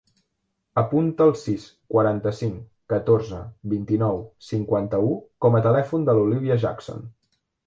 Apunta el sis, quaranta-cinc, catorze, vint-i-nou, cinquanta-u com a telèfon de l'Olívia Jackson.